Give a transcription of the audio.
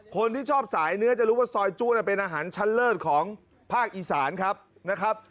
คนที่ชอบสายเนื้อจะรู้ว่าซอยจุเป็นอาหารชั้นเลิศของภาคอีสานครับนะครับ